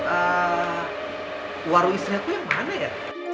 eh warung istri aku yang mana ya